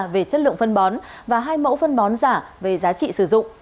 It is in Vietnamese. về chất lượng phân bón và hai mẫu phân bón giả về giá trị sử dụng